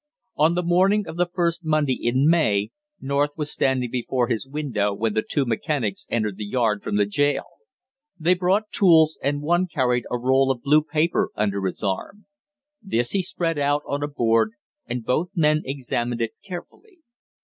On the morning of the first Monday in May, North was standing before his window when the two mechanics entered the yard from the jail; they brought tools, and one carried a roll of blue paper under his arm; this he spread out on a board and both men examined it carefully.